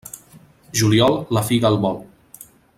Juliol, la figa al vol.